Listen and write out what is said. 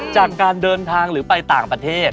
จากการเดินทางหรือไปต่างประเทศ